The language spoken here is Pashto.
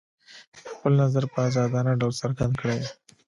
خپل نظر په ازادانه ډول څرګند کړي.